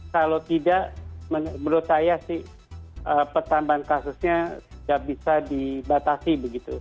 kalau tidak menurut saya sih pertambahan kasusnya tidak bisa dibatasi begitu